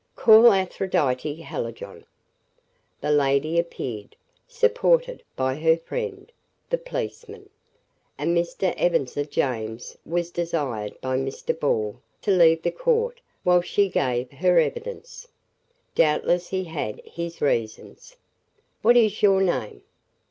"Call Aphrodite Hallijohn." The lady appeared, supported by her friend, the policeman. And Mr. Ebenezer James was desired by Mr. Ball to leave the court while she gave her evidence. Doubtless he had his reasons. "What is your name?"